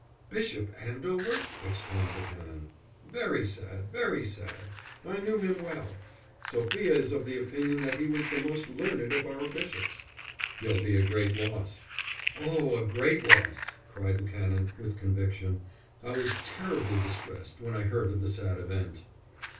"Bishop Andover?" exclaimed the Canon. "Very sad, very sad! I knew him well. Sophia is of opinion that he was the most learned of our bishops." "He'll be a great loss." "Oh, a great loss!" cried the Canon, with conviction. "I was terribly distressed when I heard of the sad event."